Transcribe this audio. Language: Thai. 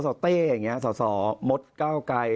สชเต้อย่างเงี้ยสชมตรแกล้วไก่